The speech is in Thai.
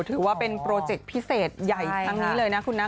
ถือว่าเป็นโปรเจคพิเศษใหญ่ครั้งนี้เลยนะคุณนะ